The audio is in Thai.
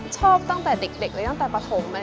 ชอบตั้งแต่เด็กหรือตั้งแต่ปฐม